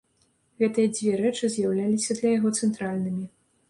Гэтыя дзве рэчы з'яўляліся для яго цэнтральнымі.